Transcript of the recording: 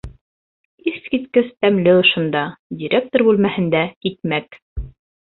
Иҫ киткес тәмле ошонда, директор бүлмәһендә, икмәк.